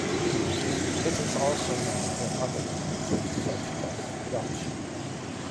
It is also known in other languages, such as Dutch.